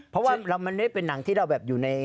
เพราะว่ามันไม่ใช่เป็นหนังที่เราอยู่ใน